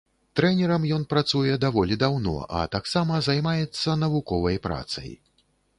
Трэнерам ён працуе даволі даўно, а таксама займаецца навуковай працай.